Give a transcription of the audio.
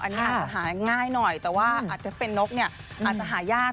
อันนี้อาจจะหาง่ายหน่อยแต่ว่าอาจจะเป็นนกเนี่ยอาจจะหายาก